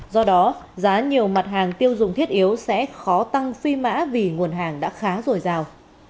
do đó giá nhiều mặt hàng tiêu dùng thiết yếu sẽ khó tăng phi mã vì nguồn hàng đã khá dồi dào